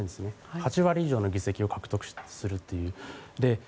８割以上の議席を獲得するという。